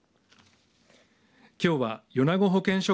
きょうは米子保健所